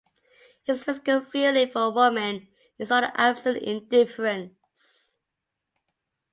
His physical feeling for women is one of absolute indifference.